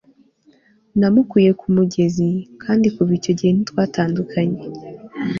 namukuye kumugenzi, kandi kuva icyo gihe ntitwatandukanye